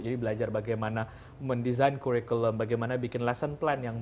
jadi belajar bagaimana mendesain curriculum bagaimana bikin lesson plan yang baik